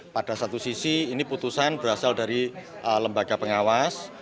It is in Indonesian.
pada satu sisi ini putusan berasal dari lembaga pengawas